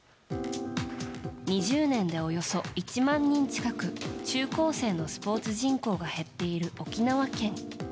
２０年で、およそ１万人近く中高生のスポーツ人口が減っている沖縄県。